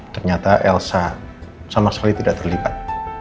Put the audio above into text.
ternyata elsa sama sekali tidak terlibat